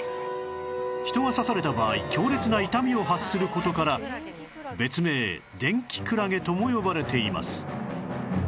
人が刺された場合強烈な痛みを発する事から別名電気クラゲとも呼ばれています